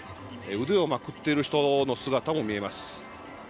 腕をまくっている人の姿も見えます。